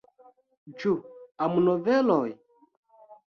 Ĉu amnoveloj?